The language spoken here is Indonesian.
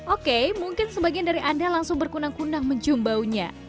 oke mungkin sebagian dari anda langsung berkunang kunang mencium baunya